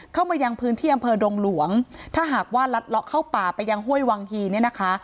เข้ามายังพื้นที่อำเภอดงหลวงถ้าหากว่าลัดเลาะเข้าป่าไปยังห้วยวังฮีเนี่ยนะคะ